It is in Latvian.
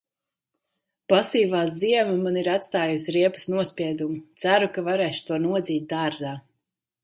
Pasīvā ziema man ir atstājusi riepas nospiedumu, ceru, ka varēšu to nodzīt dārzā.